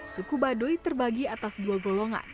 suku baduy terbagi atas dua golongan